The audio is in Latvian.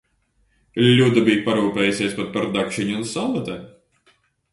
Ļuda bija parūpējusies pat par dakšiņu un salvetēm.